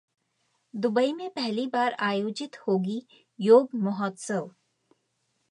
Dubai में पहली बार आयोजित होगी योग महोत्सव